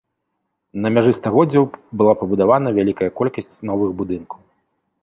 На мяжы стагоддзяў была пабудавана вялікая колькасць новых будынкаў.